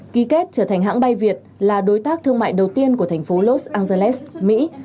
ký kết trở thành hãng bay việt là đối tác thương mại đầu tiên của thành phố los angeles mỹ